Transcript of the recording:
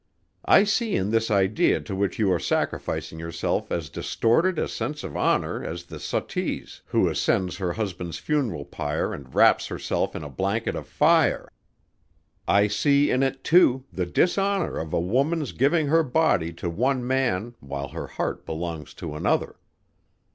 I see in this idea to which you are sacrificing yourself as distorted a sense of honor as the suttee's, who ascends her husband's funeral pyre and wraps herself in a blanket of fire. I see in it, too, the dishonor of a woman's giving her body to one man while her heart belongs to another.